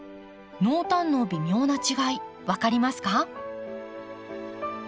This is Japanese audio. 濃淡の微妙な違い分かりますか？